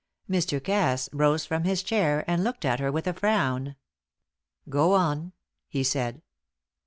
Mr. Cass rose from his chair and looked at her with a frown. "Go on," he said.